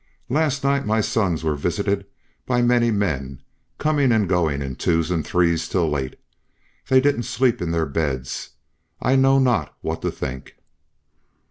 Last night my sons were visited by many men, coming and going in twos and threes till late. They didn't sleep in their beds. I know not what to think."